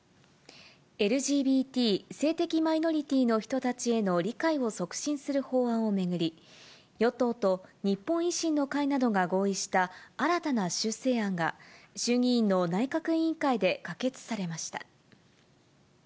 ＬＧＢＴ・性的マイノリティーの人たちへの理解を促進する法案を巡り、与党と日本維新の会などが合意した新たな修正案が衆議院の内閣委員会で可決されました。